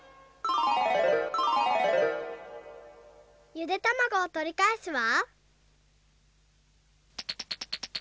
ゆでたまごをとりかえすわ。